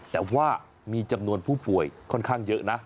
แต่ว่ามีจำนวนผู้ป่วยค่อนข้างเยอะนะ